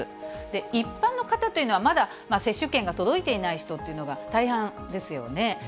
一般の方というのは、まだ接種券が届いていない人っていうのが大半ですよね。